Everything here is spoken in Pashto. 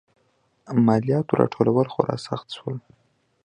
مالیاتو راټولول خورا سخت شول.